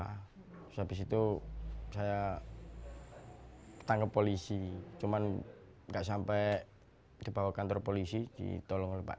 habis itu saya tangkap polisi cuman enggak sampai dibawa ke kantor polisi ditolong oleh pak